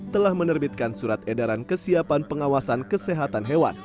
telah menerbitkan surat edaran kesiapan pengawasan kesehatan hewan